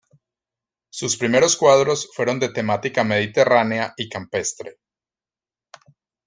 Sus primeros cuadros fueron de temática mediterránea y campestre.